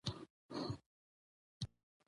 دغه تور رد کړ